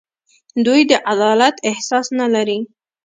دوی د عدالت احساس نه لري.